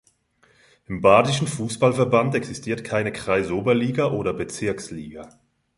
Im Badischen Fußballverband existiert keine Kreisoberliga oder Bezirksliga.